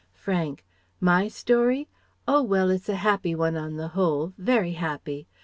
Frank: "My story? Oh well, it's a happy one on the whole very happy.